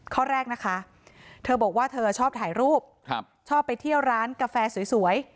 ข้อแรกนะคะเธอบอกว่าเธอชอบถ่ายรูปชอบไปเที่ยวร้านกาแฟสวย